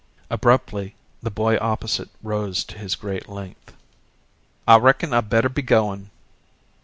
Abruptly, the boy opposite rose to his great length. "I reckon I better be goin'."